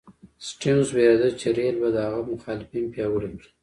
سټیونز وېرېده چې رېل به د هغه مخالفین پیاوړي کړي.